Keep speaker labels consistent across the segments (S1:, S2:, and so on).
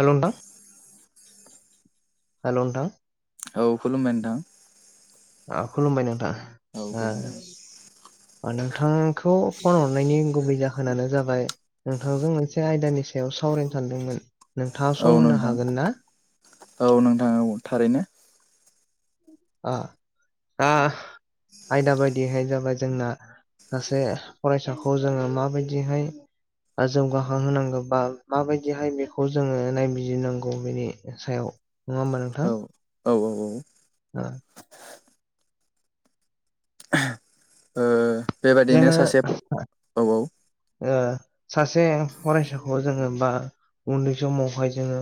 S1: हेल' नोंथां हेल' नोंथां
S2: औ खुलुमबाय नोंथां
S1: ओ खुलुमबाय नोंथां
S2: औ खुलुमबाय
S1: ओ नोंथांखौ फन हरनायनि गुबै जाहोनानो जाबाय नोंथांजों मोनसे आयदानि सायाव सावराय नो सानमोन नोंथाङा
S2: औ
S1: सम होनो
S2: नोंथां
S1: हागोन ना
S2: औ नोंथां औ थारैनो
S1: ओ दा आयदा बायदिहाय जाबाय जोंना सासे फरायसाखौ जोङो माबायदि हाय ओ जौगाखां होनांगौ बा माबायदिहाय बेखौ जोङो नायबिजिरनांगौ बेनि सायाव नङा होमबा नोंथां
S2: औ औ औ औ
S1: ओ
S2: बेबायदिनो
S1: जोङो
S2: सासे औ औ
S1: [inaudible] ओ सासे फरायसाखौ जोङो बा उन्दै समावहाय जोङो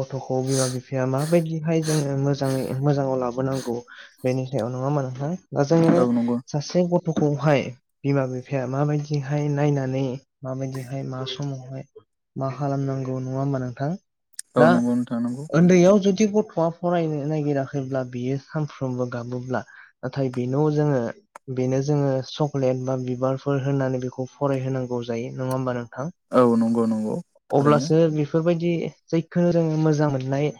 S1: गथ'खौ बिमा बिफाया माबायदिहाय जोङो मोजाङै मोजां लाबोनांगौ बेनि सायाव नङा होमबा नोंथां ओ जोङो
S2: औ नंगौ
S1: सासे गथ'खौहाय बिमा बिफाया माबायदिहाय नायनानै माबायदिहाय मा समावहाय मा खालामनांगौ नङा होमबा नोंथां
S2: औ
S1: दा
S2: नंगौ नोंथां नंगौ
S1: ओन्दैयाव जुदि गथ' वा फरायनो नायगिराखैब्ला बियो सानफ्रोमबो गाबोब्ला नाथाय बेनाव जोङो बेनो जोङो चक्लेट बा बिबारफोर होनानै बेखौ फरायहोनांगौ जायो नङा होमबा नों थां
S2: औ नंगौ नंगौ थारैनो
S1: अब्लासो बेफोर बायदि जायखौ रोङो मोजां मोननाय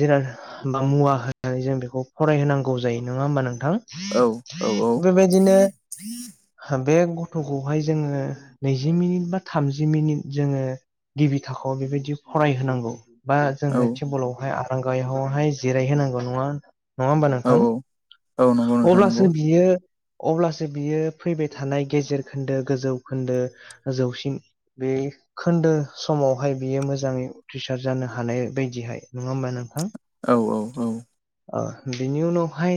S1: जिराद बा मुवा होनानै जों बेखौ फरायहोनांगौ जायो नङा होमबा नों थां
S2: औ औ औ
S1: बेबायदिनो हा बे गथ गथ'खौहाय जोङो नैजि मिनिट बा थामजि मिनिट जोङो गिबि थाखोआव बेबायदि फरायहोनांगौ बा
S2: औ
S1: जोंङो टेबोलावहाय आरांगायावहाय जिरायहोनांगौ नङा नङा होमबा
S2: औ
S1: नोंथां।
S2: औ नंगौ नोंथां
S1: अब्लासो
S2: नंगौ।
S1: बियो अब्लासो बियो फैबाय थानाय गेजेर खोन्दो गोजौ खोन्दो ओ जौसिन बे खोन्दो समावहाय बियो मोजाङै उथ्रिसार जानो हानाय बायदिहाय नङा होमबा नोंथां
S2: औ औ औ
S1: ओ बिनि उनावहाय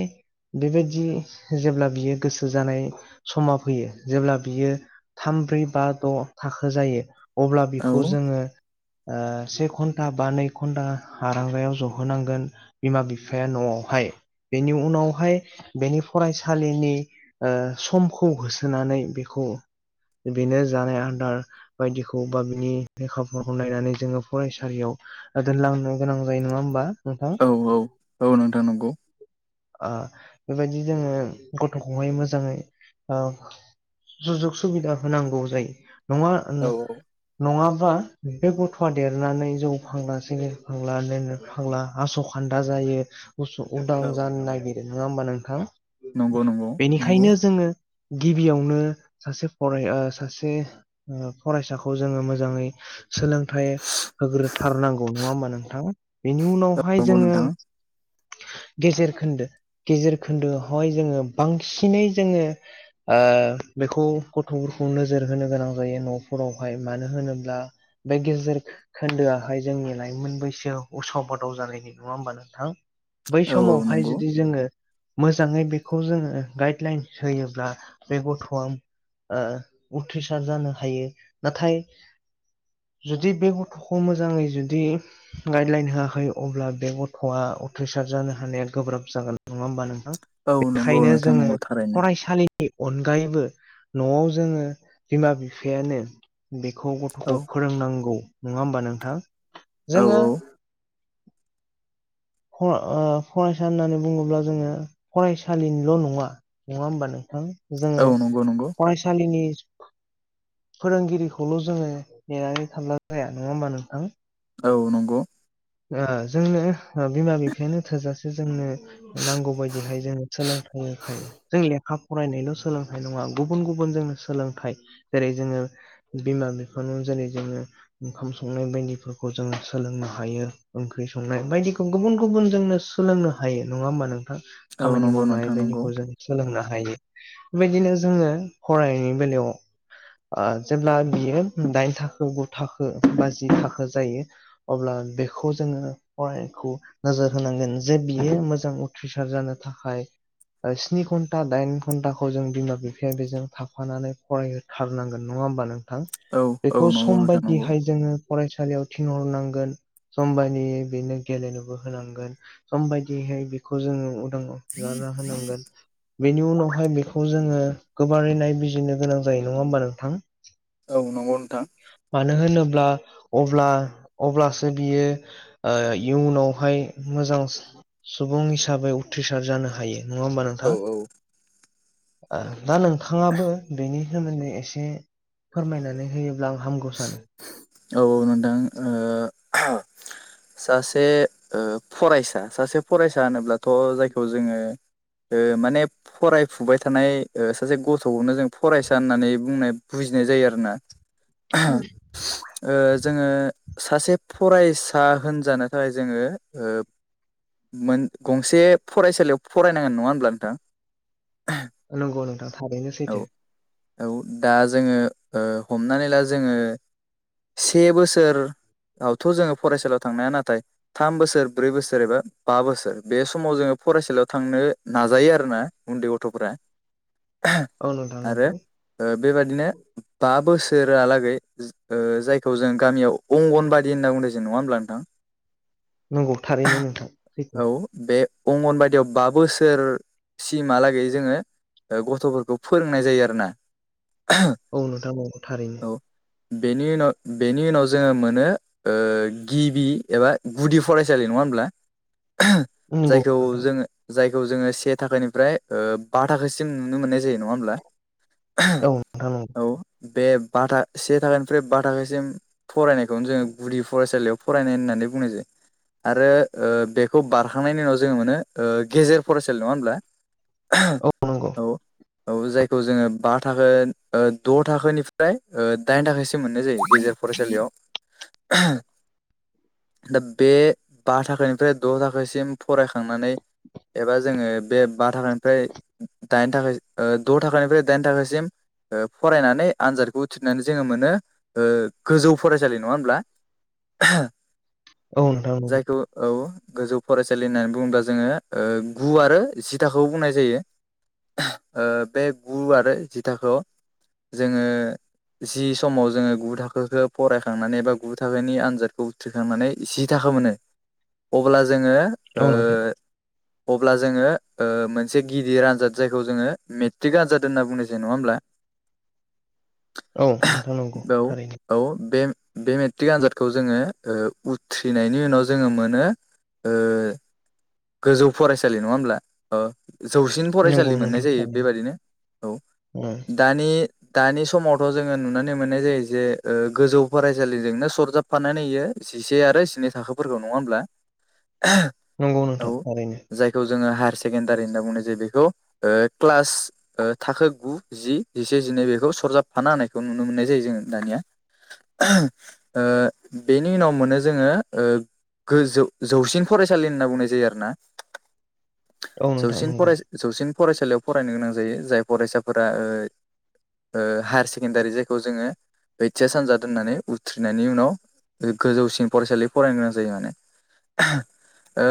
S1: बेबायदि जेब्ला बियो गोसो जानाय समा फैयो जेब्ला बियो थाम ब्रै बा द' थाखो जायो अब्ला
S2: औ
S1: बेखौ जोङो ओ से घन्टा बा नै घन्टा आरांगायाव जहोनांगोन बिमा बिफाया न'आव हाय बेनि उनाव हाय बेनि फरायसालिनि समखौ होसोनानै बेखौ बेनो जानाय आदार बायदिखौ बा बिनि लेखाफोरखौ नायनानै जोङो फरायसालियाव दोनलांनो गोनां जायो नङा होमबा? नोंथां
S2: औ औ औ नोंथां नंगौ।
S1: बेबायदि जोङो गथ'खौहाय मोजाङै सुजुग सुबिदा होनांगौ जायो नङा
S2: औ
S1: नङाब बा बे गथ'आ देरनानै जौ फांग्ला, सेरेब फाग्ला, जौ फाग्ला आस' खान्दा जायो। [unintelligible] गुसु उदां
S2: औ
S1: जानो नागिरो नङा होमबा नोंथां?
S2: नंगौ नंगौ नंगौ
S1: बेनिखायनो जोङो गिबियावनो सासे फराय ओ सासे फरायसाखौ जोङो मोजाङै सोलोंथाइ होग्रोथारनांगौ नङा होमबा नोंथां। बेनि
S2: औ
S1: उनावहाय
S2: नंगौ
S1: जोङो
S2: नोंथां
S1: गेजेर खोन्दो गेजेर खोन्दोआवहाय जोङो बांसिनै जोङो ओ बेखौ गथ' नोजोर होनो गोनां जायो न'फोरावहाय मानो होनोब्ला बे गेजेर खोन्दोआहाय जोंनि लाइमोन बैसो उसाव बादाव जालायनाय नङा होमबा नोंथां बै
S2: औ औ
S1: समावहाय
S2: नंगौ
S1: जुदि जोङो मोजाङै बेखौ जोङो गाइडलाइन होयोब्ला बे गथ'आ ओ उथ्रिसार जानो हायो नाथाय जुदि बे गथ'खौ मोजाङै जुदि गाइडलाइन होआखै अब्ला बे गथ'आ उथ्रिसार जानो हानाया गोब्राब जागोन नङा हा नोंथां?
S2: औ नंगौ
S1: बेनिखायनो
S2: नोंथां
S1: जोङो
S2: नंगौ थारैनो
S1: फरायसालि नि अनगायैबो न'आव जोङो बिमा-बिफायानो बेखौ
S2: औ
S1: गथ'खौ फोरोंनांगौ नङा होमबा नोंथां?
S2: औ
S1: जोङो
S2: औ
S1: ओ फ ओ फरायसा होननानै बुङोब्ला जोङो फरायसालिनिल' नङा नङा होमबा नोंथां जोङो
S2: औ नंगौ नंगौ
S1: फरायसालिनि फोरोंगिरिखौल' जोङो नेनानै थानला जाया नङा होमबा नोंथां?
S2: औ नंगौ।
S1: ओ जोंनो बिमा-बिफायानो थोजासे जोंनो नांगौ बायदिहाय जों सोलों [unintelligible] जों लेखा फरायनायल' सोलोंथाइ नङा गुबुन गुबुन जोंनो सोलोंथाइ जेरै जोङो बिमा बिफानाव जेरै जोङो ओंखाम संनाय बायदिफोरखौ जोङो सोलोंनो हायो ओंख्रि संनाय बायदिखौ गुबुन गुबुन जोंनो सोलोंनो हायो नङा होमबा नों
S2: औ
S1: खामानि
S2: नंगौ
S1: मावनाय
S2: नोंथां नंगौ
S1: बायदिखौ जों सोलोंनानै हायो बेबायदिनो जोङो फरायनायनि बेलायाव ओ जेब्ला बियो दाइन थाखो गु थाखो बा जि थाखो जायो अब्ला बे बेखौ जोङो फरायनायखौ नोजोर होनांगोन जे बियो मोजां उथ्रिसार जानो थाखाय स्नि घन्टा दाइन घन्टाखौ जों बिमा-बिफाया बेजों थाफानानै फरायहथारनांगोन नङा होमबा नों थां
S2: औ औ
S1: बेखौ
S2: नंगौ
S1: सम
S2: नोंथां नंगौ
S1: बायदिहाय जोङो फरायसालियाव थिनहरनांगोन सम बादियै बेनो गेलेनोबो होनांगोन सम बदिहाय बेखौ जोङो गारना होनांगोन। बेनि उनावहाय बेखौ जोङो गोबारै नायबिजिरनो गोनां जायो नङा होमबा नोंथां।
S2: औ नंगौ नोंथां।
S1: ब्ला अब्ला अब्लासो बियो इयुनावहाय मोजां सुबुं हिसाबै उथ्रिसार जानो हायो नङा होनबा
S2: औ
S1: नोथां ओ दा नोंथाङाबो बेनि सोमोन्दै एसे फोरमायनानै होयोब्ला आं हामगौ सानो।
S2: औ नोंथां। सासे फरायसा सासे फरायसा होनोब्लाथ' जायखौ जोङो माने फरायफुबाय थानाय ओ सासे गथ'खौनो जों फरायसा होननानै बुंनाय बुजिनाय जायो आरोना ओ जोङो सासे फरायसा होनजानो थाखाय जोङो ओ मोन गंसे फरायसालियाव फरायनांगोन नङा होमब्ला नोंथां।
S1: नंगौ नोंथां थारैनो
S2: औ
S1: सैथो
S2: औ दा जोङो हमनानै ला जोङो से बोसोर आथ' जोङो फरायसालियाव थांनाया नाथाय थाम बोसोर ब्रै बोसोर एबा बा बोसोर बे समाव जोङो फरायसालियाव थांनो नाजायो आरो ना उन्दै गथ'फोरा
S1: [inaudible] औ नोंथां
S2: आरो
S1: नंगौ
S2: बेबादिनो बा बोसोर रालागै जायखौ जों गामियाव अंगन बादि होनना बुंनायसै नङा होमब्ला नोंथां
S1: नंगौ थारैनो नोंथां सैथो
S2: औ बे अंगनबादियाव बा बोसोरसिमहालागै जोङो गथ'फोरखौ फोरोंनाय जायो आरो ना।
S1: औ नोंथांमोनखौ थारैनो
S2: बेनि उनाव बेनि उनाव जोङो मोनो गिबि एबा गुदि फरायसालि नङा होनोमब्ला
S1: [inaudible] नंगौ
S2: जायखौ
S1: नोंथां
S2: जोङो जाय जोङो सेनिानिफ्राय बा थाखासिम नुनो मोननाय जायो नङा होमब्ला
S1: औ नोंथां नंगौ
S2: औ बे बा से थाखानिफ्राय बा थाखासिम फरायनायखौनो जोङो गुदि फरायसालियाव फरायनाय होननानै बुंनाय जायो आरो बेखौ बारखांनायनि उनाव जोङो मोनो गेजेर फरायसालि नङा होमब्ला
S1: औ नंगौ
S2: औ औ जायखौ जोङो बा थाखो द' थाखोनि फ्राय दाइन थाखसम मोननाय जायो गेजेर फरायसालियाव दा बे बा थाखानिफ्राय द' थाखासिम फरायखांनानै एबा जोङो बे बा थाखानिफ्राय दाइन थाखा द' थाखानिफ्राय दाइन थाखासिम फरायनानै आनजादखौ थिरनानै जोङो मोनो गोजौ फरायसालि नङा होमब्ला
S1: औ नोंथां नंगौ
S2: जायखौ औ गोजौ फरायसालि होननानै बुङोब्ला जोङो गु आरो जि थाखोखौब बुंनाय जायो। बे गु आरो जि थाखोयाव जोङो जि समाव जोङो गु थाखोखौ फरायखांनानै एबा गु थाखोनि आनजादखौ उथ्रिखांनानै जि थाखो थाख मोनो अब्ला जोङो
S1: औ नोंथां
S2: अब्ला जोङो मोनसे गिदिर आनजाद जायखौ जोङो मेट्रिक आनजाद होनना बुंनोसै नङा होमब्ला।
S1: औ नोंथां नंगौ
S2: औ
S1: थारैनो
S2: औ बे बे मेट्रिक आनजादखौ जोङो उथ्रिनायनि उनाव जोङो मोनो गोजौ फरायसालि नङा होमब्ला ओ जौसिन
S1: नंगौ
S2: फरायसालि मोननाय
S1: नोंथां
S2: जायो
S1: थारैनो
S2: बेबादिनो औ दानि दानि समावथ' जोङो नुनानै मोननाय जायो जे गोजौ फरायसालिजोंनो सरजाबफानानै बेयो इसेसे आरो एनै थाखोफोरखौ नङा होनोमब्ला
S1: [inaudible] नंगौ नोंथां थारैनो
S2: जायखौ जोङो हायार सेकेनडारि होनना बुंनाय जायो बेखौ क्ला थाखो गु जि जिसे दिनै बेखौ सरजाबफाना होनायखौ नुनो मोननाय जायो जों दानिया बेनि उनाव मोनो जोङो गोजौ जौसिन फरायसालि होनना बुंनाय जायो आरो ना।
S1: औ नोंथां
S2: जौसिन
S1: नंगौ
S2: फराय जौसिन फरायसालियाव फरायनो गोनां जायो जाय फरायसाफोरा औ हायार सेकेण्डारि जायखौ जोङो बैथिया सानजा दोननानै उथ्रिनायनि उनाव गोजौसिन फरायसालि फरायनो गोनां जायो माने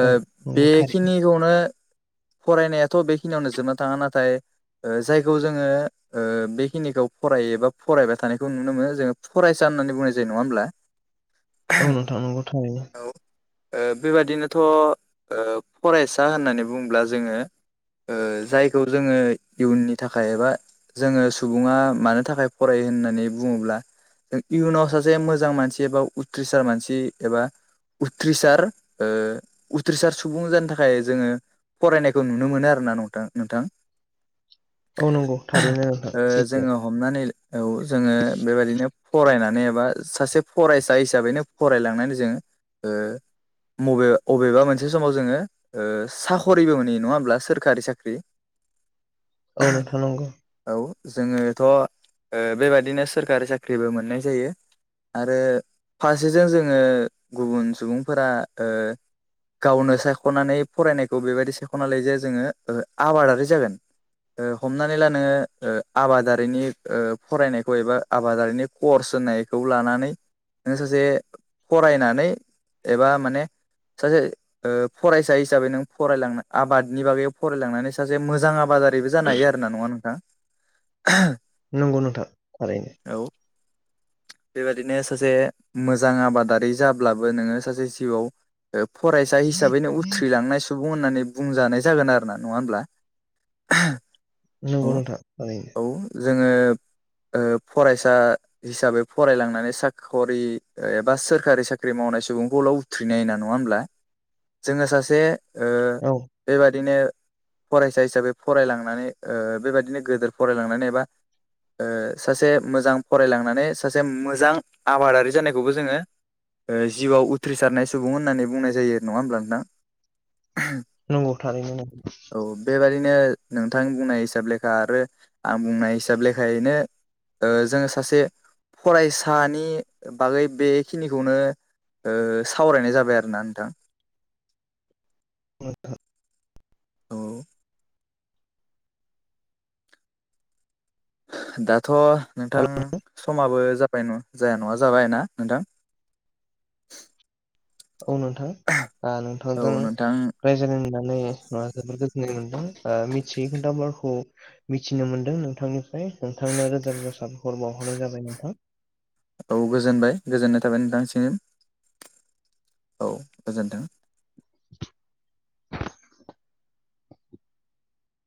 S1: औ नंगौ थारैनो
S2: बेखिनिखौनो फरायनायाथ' बेखिनियावनो जोबनो थाङा नाथाय जायखौ जोङो बेखिनिखौ फरायो बा फरायबाय थानायखौ नुनो मोनो जोङो फरायसा होननानै बुंनाय जायो नङा होमब्ला
S1: औ नोंथां नंगौ थारैनो।
S2: औ बेबादिनोथ' फरायसा होननानै बुङोब्ला जोङो ओ जायखौ जोङो इयुननि थाखाय एबा जोङो सुबुङा मानि थाखाय फरायो होननानै बुङोब्ला जों इयुनाव सासे मोजां मानसि एबा उथ्रिसार मानसि एबा उथ्रिसार ओ उथ्रिसार सुबुं जानो थाखाय जोङो फरायनायखौ नुनो मोनो आरो ना नोंथां नोंथां
S1: औ नंगौ थारैनो नोंथां सैथो
S2: जोङो हमनानै औ जोङो बेबायदिनो फरायनानै एबा सासे फरायसा हिसाबैनो फरायलांनानै जों ओ मबे बबेबा मोनसे समाव जोङो साख'रिबो मोनहैयो नङा होमब्ला सोरखारि साख्रि
S1: औ नोंथां नंगौ
S2: औ जोङोथ'ओ बेबादिनो सोरखारि साख्रिबो मोननाय जायो आरो फारसेजों जोङो गुबुन सुबुंफोरा ओ गावनो सायख'नानै फरायनायखौ बेबायदि सायख'ना लायो जाया जोङो आबादारि जागोन हमना ला नोङो ओ आबादारिनि फरायनायखौ एबा आबादारिनि कर्स होनायखौ लानानै नों सासे फरायनानै एबा माने सासे ओ फरायसा हिसाबै नों फरायलां आबादनि बागै फरायलांनानै सासे मोजां आबाद दारिबो जानो हायो आरो नोंथां
S1: नंगौ नोंथां थारैनो [inaudible]
S2: बेबायदिनो सासे मोजां आबादारि जाब्लाबो नोङो सासे जिउआव फरायसा हिसाबैनो उथ्रिलांनाय सुबुं होननानै बुंजानाय जागोन आरो ना नङा होमब्ला
S1: नंगौ
S2: औ
S1: नोंथां थारैनो
S2: औ जोङो ओ फरायसा हिसाबै फरायलांनानै साखरि एबा सोरखारि साख्रि माव नाय सुबुंखौल' उथ्रिनाय होना नङा होमब्ला जोङो सासे ओ
S1: औ
S2: बेबादिनो फरायसा हिसाबै फरायलांनानै ओ बेबायदिनो गदेर फरायलांनानै एबा ओ सासे मोजां फरायलांनानै सासे मोजां आबादारि जानायखौबो जोङो जिउआव उथ्रिसारनाय सुबुं होननानै बुंनाय जायो नङा होमब्ला नोंथां
S1: नंगौ थारैनो नोंगौ
S2: ओ नोंथांनि बुंनाय हिसाब लेखा आरो आं बुंनाय हिसाब लेखायैनो ओ जोङो सासे फरायसानि बागै बेखिनिखौनो सावरायनाय जाबाय आरोना नोंथां
S1: [unintelligible]
S2: औ दाथ' नोंथां समाबो जा बाय जाया नङा जाबाय ना नोंथां
S1: औ नोंथां ओ
S2: औ
S1: नोंथांजों
S2: नोंथां
S1: रायज्लायनानै जोबोर गोजोननाय मोनदों मिथियै खोन्थफोरखौ मिथिनो मोनदों नोंथांनिफ्राय नोंथांनो रोजा रोजा साबायखर बावहरनाय जाबाय नोंथां
S2: औ गोजोनबाय गोजोननाय थाबाय नोंथांनिसिम औ गोजोन्थों
S1: [inaudible]